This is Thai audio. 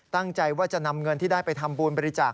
ตั้งใจว่าจะนำเงินที่ได้ไปทำบุญบริจาค